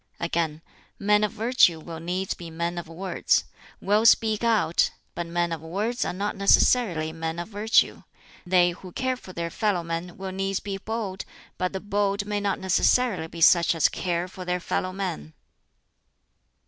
Again, "Men of virtue will needs be men of words will speak out but men of words are not necessarily men of virtue. They who care for their fellow men will needs be bold, but the bold may not necessarily be such as care for their fellow men."